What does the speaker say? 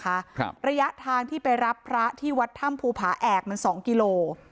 ครับระยะทางที่ไปรับพระที่วัดถ้ำภูผาแอกมันสองกิโล